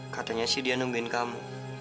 katanya sih dia nungguin kamu